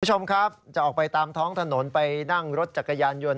คุณผู้ชมครับจะออกไปตามท้องถนนไปนั่งรถจักรยานยนต์